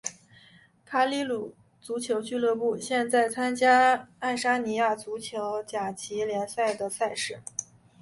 卡里鲁足球俱乐部现在参加爱沙尼亚足球甲级联赛的赛事。